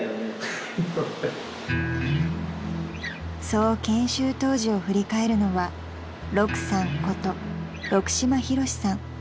［そう研修当時を振り返るのはロクさんことロクシマヒロシさん］